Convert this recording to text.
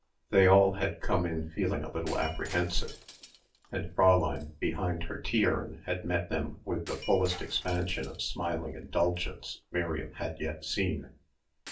They all had come in feeling a little apprehensive, and Fräulein behind her tea urn had met them with the fullest expansion of smiling indulgence Miriam had yet seen.